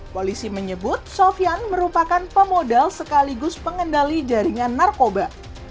polisi menyebut sofian merupakan pemodal sekaligus pengendali jaringan narkoba